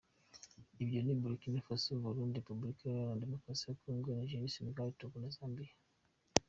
Ibyo ni Burkina Faso, u Burundi, Repuburika ya Congo, Niger, Senegal, Togo na Zambia.